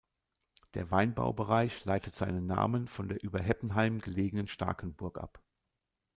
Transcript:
Der Weinbaubereich leitet seinen Namen von der über Heppenheim gelegen Starkenburg ab.